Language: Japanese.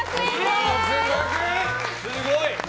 すごい！